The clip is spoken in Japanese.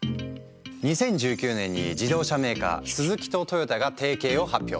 ２０１９年に自動車メーカースズキとトヨタが提携を発表。